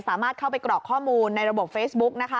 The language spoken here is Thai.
สามารถเข้าไปกรอกข้อมูลในระบบเฟซบุ๊กนะคะ